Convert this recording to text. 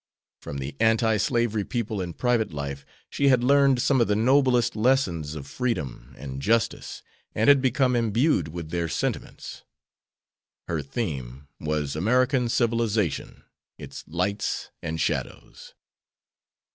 From the anti slavery people in private life she had learned some of the noblest lessons of freedom and justice, and had become imbued with their sentiments. Her theme was "American Civilization, its Lights and Shadows."